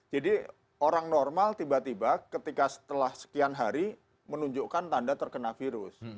jadi orang normal tiba tiba ketika setelah sekian hari menunjukkan tanda terkena virus